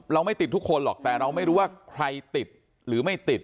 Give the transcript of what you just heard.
ไม่ติดทุกคนหรอกแต่เราไม่รู้ว่าใครติดหรือไม่ติด